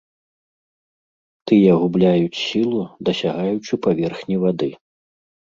Тыя губляюць сілу, дасягаючы паверхні вады.